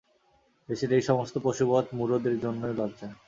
দেশের এই-সমস্ত পশুবৎ মূঢ়দের জন্যই লজ্জা।